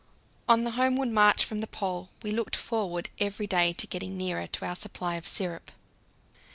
On the homeward march from the Pole we looked forward every day to getting nearer to our supply of syrup.